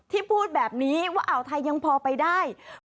พูดแบบนี้ว่าอ่าวไทยยังพอไปได้